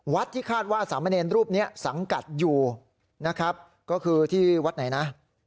ที่คาดว่าสามเณรรูปนี้สังกัดอยู่นะครับก็คือที่วัดไหนนะ